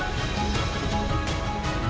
kisah kisah dari dapi posora